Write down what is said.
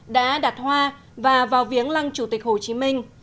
đã đặt hoa và vào viếng lăng chủ tịch hồ chí minh